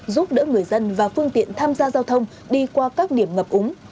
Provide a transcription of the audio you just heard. giúp đỡ người dân và phương tiện tham gia giao thông đi qua các điểm ngập úng